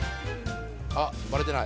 あっバレてない。